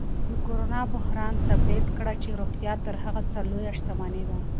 د کرونا بحران ثابت کړه چې روغتیا تر هر څه لویه شتمني ده.